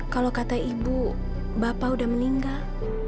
kalau kata ibu bapak udah meninggal